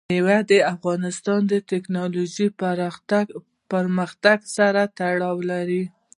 مېوې د افغانستان د تکنالوژۍ پرمختګ سره تړاو لري.